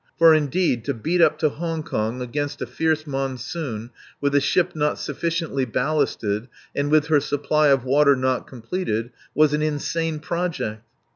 For indeed, to beat up to Hong Kong against a fierce monsoon, with a ship not sufficiently ballasted and with her supply of water not completed, was an insane project.